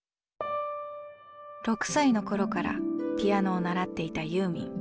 ６歳の頃からピアノを習っていたユーミン。